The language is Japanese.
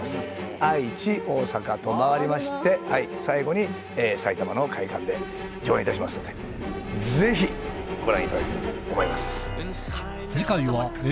愛知大阪と回りまして最後に埼玉の会館で上演いたしますのでぜひご覧いただきたいと思います。